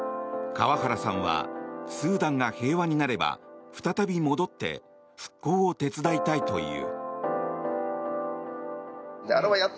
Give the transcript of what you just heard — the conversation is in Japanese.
川原さんはスーダンが平和になれば再び戻って復興を手伝いたいという。